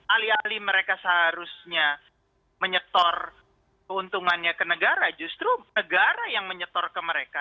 alih alih mereka seharusnya menyetor keuntungannya ke negara justru negara yang menyetor ke mereka